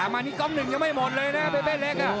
มันนี่ก็อก๑ยังไม่หมดเลยนะเป้เป้เล็ก